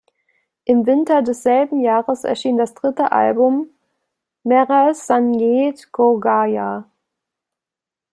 Im Winter desselben Jahres erschien das dritte Album „Mera Sangeet Kho Gaya“.